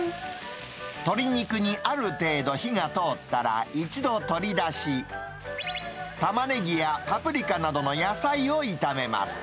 鶏肉にある程度火が通ったら、一度取り出し、タマネギやパプリカなどの野菜を炒めます。